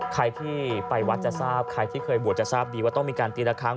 ใครที่ไปวัดจะทราบใครที่เคยบวชจะทราบดีว่าต้องมีการตีละครั้ง